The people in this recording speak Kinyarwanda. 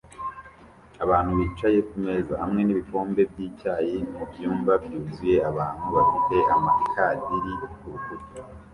Abantu bicaye kumeza hamwe nibikombe byicyayi mubyumba byuzuye abantu bafite amakadiri kurukuta